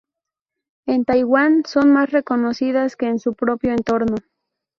En Taiwán, son más reconocidas que en su propio entorno.